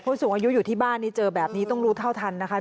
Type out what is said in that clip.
สูงอายุอยู่ที่บ้านนี้เจอแบบนี้ต้องรู้เท่าทันนะคะ